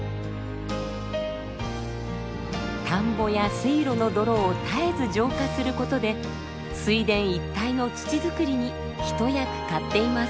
田んぼや水路の泥を絶えず浄化する事で水田一帯の土づくりに一役買っています。